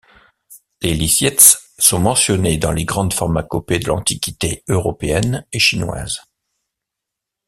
Les lyciets sont mentionnés dans les grandes pharmacopées de l'Antiquité européenne et chinoise.